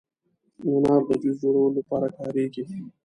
انار د جوس جوړولو لپاره کارېږي.